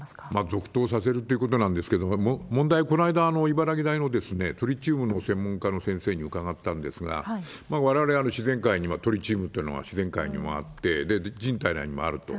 続投させるということなんですけど、問題はこの間、茨城大のトリチウムの専門家の先生に伺ったんですが、われわれ、自然界にトリチウムってのが自然界にもあって、人体内にもあると。